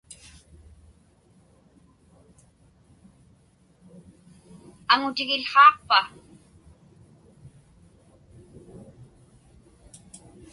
Aŋutigił̣haaqpa?